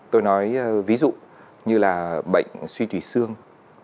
tôi nói ví dụ như là bệnh suy kỳ xương